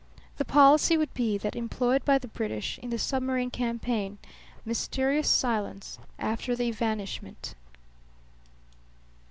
The policy would be that employed by the British in the submarine campaign mysterious silence after the evanishment.